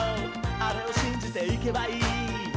あれをしんじていけばいい」